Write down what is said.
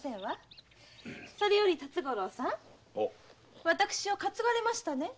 それより辰五郎さん私をかつがれましたね？